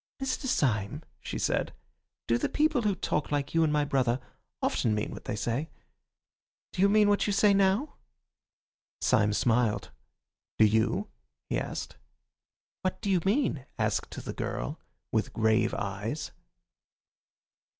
"Mr. Syme," she said, "do the people who talk like you and my brother often mean what they say? Do you mean what you say now?" Syme smiled. "Do you?" he asked. "What do you mean?" asked the girl, with grave eyes.